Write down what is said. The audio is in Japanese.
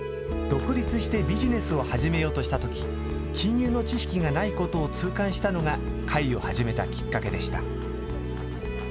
独立してビジネスを始めようとしたとき、金融の知識がないことを痛感したのが会を始めたきっかけでした。